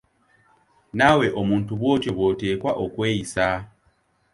Naawe omuntu bw’otyo bw’oteekwa okweyisa.